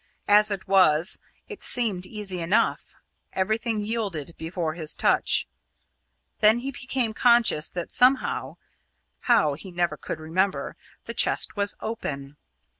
As it was, it seemed easy enough; everything yielded before his touch. Then he became conscious that somehow how, he never could remember the chest was open.